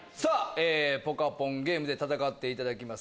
ポカポンゲームで戦っていただきます